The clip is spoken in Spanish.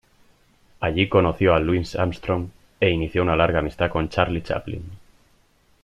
Allí conoció a Louis Armstrong e inició una larga amistad con Charlie Chaplin.